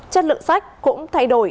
chất lượng sách cũng thay đổi